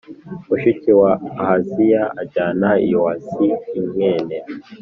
mushiki wa Ahaziya ajyana Yowasi mwene